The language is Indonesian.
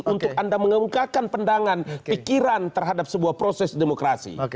untuk anda mengemukakan pendangan pikiran terhadap sebuah proses demokrasi